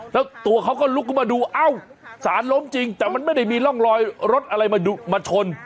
แล้วตัวเขาก็ลุกขึ้นมาดูเอ้าสารล้มจริงแต่มันไม่ได้มีร่องรอยรถอะไรมาชน